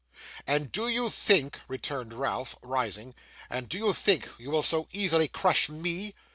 'And do you think,' returned Ralph, rising, 'and do you think, you will so easily crush ME?